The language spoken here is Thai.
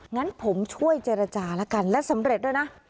งั้นผมช่วยเจรจาละกันและสำเร็จด้วยนะ